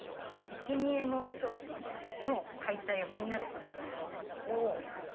いけにえの商品の解体をみんなですることだと思います。